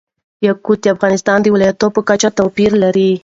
یاقوت د افغانستان د ولایاتو په کچه توپیر لري.